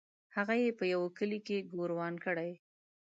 هغه یې په یوه کلي کې ګوروان کړی.